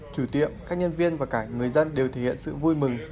chủ tiệm các nhân viên và cả người dân đều thể hiện sự vui mừng